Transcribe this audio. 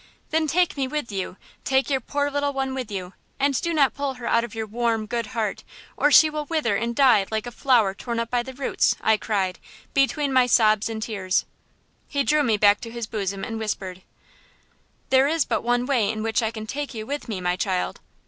"'Then take me with you: take your poor little one with you, and do not pull her out of your warm, good heart, or she will wither and die like a flower torn up by the roots!' I cried, between my sobs and tears. "He drew me back to his bosom and whispered: "'There is but one way in which I can take you with me, my child.